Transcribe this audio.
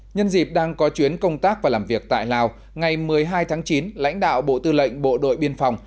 nhân dịp đang có chuyến công tác và làm việc tại lào ngày một mươi hai tháng chín lãnh đạo bộ tư lệnh bộ đội biên phòng